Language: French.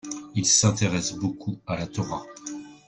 Il s'intéresse beaucoup à la Torah.